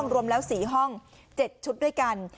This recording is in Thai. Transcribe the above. รวมแล้วสี่ห้องเจ็ดชุดด้วยกัน